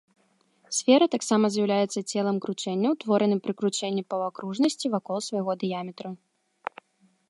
Сфера таксама з'яўляецца целам кручэння, утвораным пры кручэнні паўакружнасці вакол свайго дыяметра.